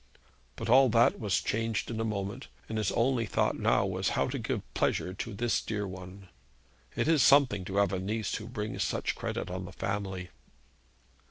But all that was changed in a moment, and his only thought now was how to give pleasure to this dear one. It is something to have a niece who brings such credit on the family!